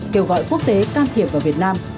kêu gọi quốc tế can thiệp vào việt nam